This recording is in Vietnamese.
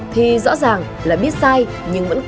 thì rõ ràng là biết sai nhưng vẫn cố